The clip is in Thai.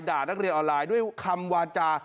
ด่านักเรียนออนไลน์ด้วยคำวาจา